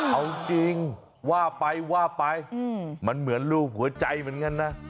เอาจริงว่าไปว่าไปมันเหมือนรูปหัวใจเหมือนกันนะ